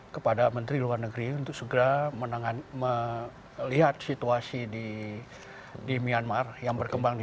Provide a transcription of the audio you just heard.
kepada menteri luar negeri untuk segera menangan melihat situasi di di myanmar yang berkembang di